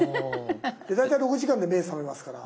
大体６時間で目覚めますから。